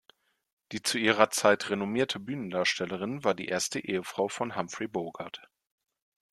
Die zu ihrer Zeit renommierte Bühnendarstellerin war die erste Ehefrau von Humphrey Bogart.